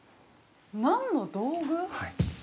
◆何の道具？